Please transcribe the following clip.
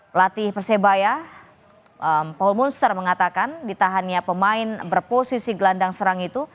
pelatih persebaya paul monster mengatakan ditahannya pemain berposisi gelandang serang itu